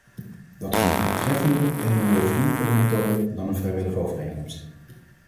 Dat is een doeltreffender en milieuvriendelijker methode dan een vrijwillige overeenkomst.